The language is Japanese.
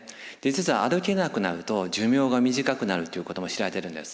実は歩けなくなると寿命が短くなるということも知られてるんです。